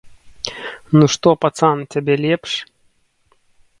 Ну што, пацан, цябе лепш?